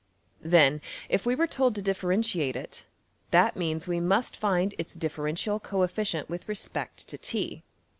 Then, if we were told to differentiate it, that means we must find its differential coefficient with respect to~$t$.